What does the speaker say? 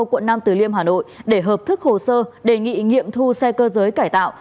quận nam từ liêm hà nội để hợp thức hồ sơ đề nghị nghiệm thu xe cơ giới cải tạo